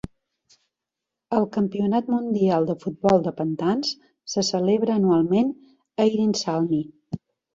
El campionat mundial de futbol de pantans se celebra anualment a Hyrynsalmi.